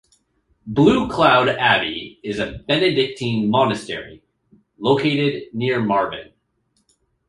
Blue Cloud Abbey is a Benedictine monastery located near Marvin.